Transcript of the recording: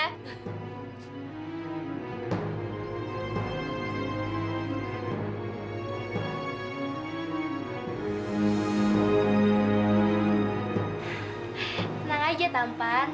tenang aja tampan